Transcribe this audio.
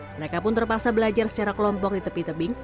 mereka pun terpaksa belajar secara kelompok di tepi tebing